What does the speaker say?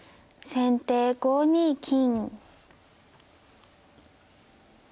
先手４二金。